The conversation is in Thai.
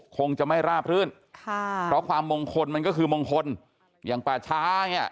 คงจะไม่ราบรื่นค่ะเพราะความมงคลมันก็คือมงคลอย่างป่าช้าเนี่ย